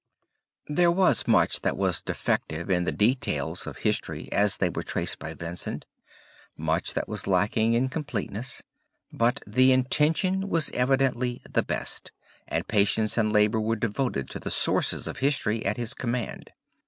There was much that was defective in the details of history as they were traced by Vincent, much that was lacking in completeness, but the intention was evidently the best, and patience and labor were devoted to the sources of history at his command.